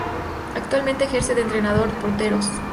Actualmente ejerce de entrenador de porteros.